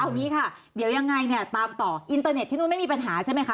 อย่างนี้ค่ะเดี๋ยวยังไงเนี่ยตามต่ออินเตอร์เน็ตที่นู่นไม่มีปัญหาใช่ไหมคะ